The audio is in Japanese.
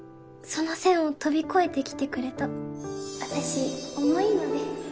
その線を飛び越えてきてくれた私重いので